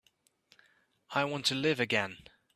I want to live again.